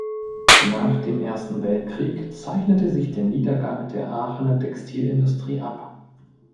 Nach dem Ersten Weltkrieg zeichnete sich der Niedergang der Aachener Textilindustrie ab.